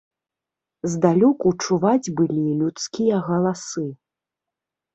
Здалёку чуваць былі людскія галасы.